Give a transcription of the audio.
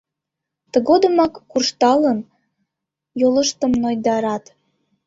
Тыгодымак, куржталын, йолыштым нойдарат.